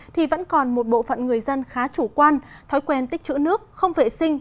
thì vẫn còn một bộ phận người dân khá chủ quan thói quen tích chữ nước không vệ sinh